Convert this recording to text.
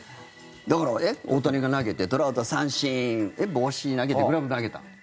だから、大谷が投げてトラウトが三振帽子投げて、グラブ投げた。